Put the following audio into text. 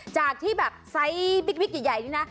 จากที่แบบไซส์บิ๊กใหญ่นี่นะ